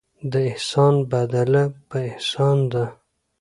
د احسان بدله په احسان ده.